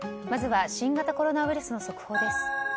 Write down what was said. まずは新型コロナウイルスの速報です。